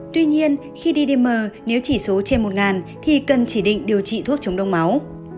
tuy nhiên khi đi mờ nếu chỉ số trên một thì cần chỉ định điều trị thuốc chống đông máu